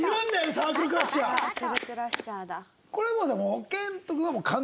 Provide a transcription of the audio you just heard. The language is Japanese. サークルクラッシャーだ。